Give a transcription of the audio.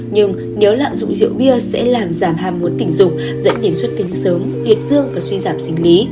nhưng nếu lạm dụng rượu bia sẽ làm giảm hàm muộn tình dục dẫn đến suất tính sớm huyệt dương và suy giảm sinh lý